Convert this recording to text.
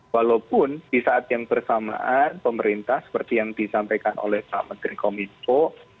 walaupun di saat yang bersamaan pemerintah seperti yang disampaikan oleh pak menteri kominfo